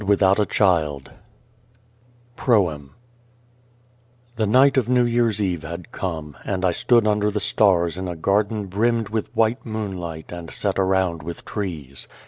235 OUTACHILD PROEM THE night of New Year's Eve had come, and I stood under the stars in a garden brimmed with white moonlight and set around with trees.